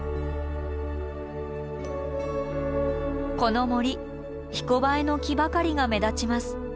この森ひこばえの木ばかりが目立ちます。